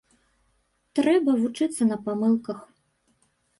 Трэба вучыцца на памылках.